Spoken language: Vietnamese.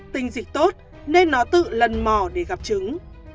tinh dịch tốt nên nó tự lần mò để gặp chứng